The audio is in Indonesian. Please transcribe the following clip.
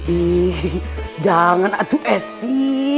ih jangan atuh esy